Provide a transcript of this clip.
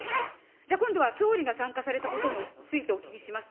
じゃあ、今度は総理が参加されたことについてお聞きします。